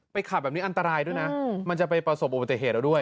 ขับแบบนี้อันตรายด้วยนะมันจะไปประสบอุบัติเหตุเราด้วย